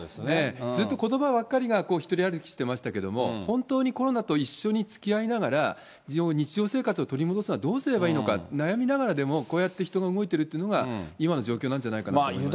ずっとことばばっかりが独り歩きしてましたけれども、本当にコロナと一緒につきあいながら、日常生活を取り戻すにはどうすればいいのか、悩みながらでも、こうやって人が動いているというのが、今の状況なんじゃないかなと思いますね。